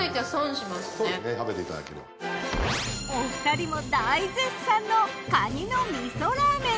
お二人も大絶賛のかにの味噌ラーメン。